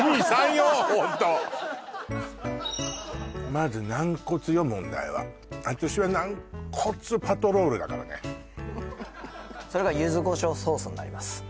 まず軟骨よ問題は私は軟骨パトロールだからねそれが柚子胡椒ソースになります